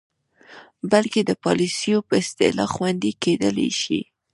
بلکې د پالسیو په اصلاح خوندې کیدلې شي.